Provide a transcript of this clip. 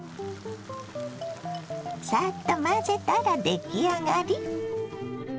サッと混ぜたら出来上がり。